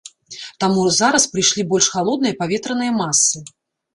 Таму зараз прыйшлі больш халодныя паветраныя масы.